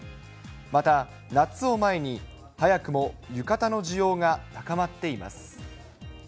また、夏を前に早くも浴衣の需要が高まっています。